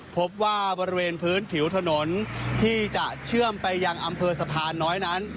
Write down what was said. พบว่าบริเวณพื้นผิวถนนที่จะเชื่อมไปยังอำเภอสะพานน้อยนั้น